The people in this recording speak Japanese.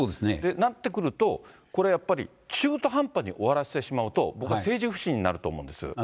となってくると、これやっぱり、中途半端に終わらせてしまうと、僕、政治不信になってしまうと思うんです。